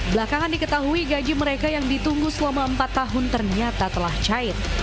belakangan diketahui gaji mereka yang ditunggu selama empat tahun ternyata telah cair